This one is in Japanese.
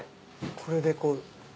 これでこう。